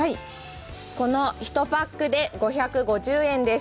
この１パックで５５０円です。